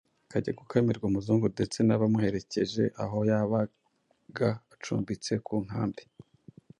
ikajya gukamirwa umuzungu ndetse n'abamuherekeje aho yabaga acumbitse ku nkambi.